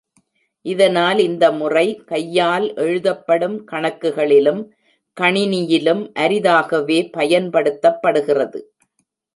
இதனால் இந்த முறை கையால் எழுதப்படும் கணக்குகளிலும் கணினியிலும் அரிதாகவே பயன்படுத்தப்படுகிறது.